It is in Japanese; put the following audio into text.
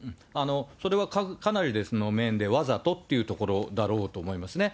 それはかなりの面で、わざとというところだと思いますね。